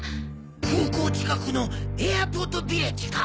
空港近くのエアポートヴィレッジか？